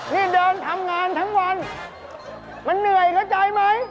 นี่เดินทำงานทั้งวันมันเหนื่อยเข้าใจไหม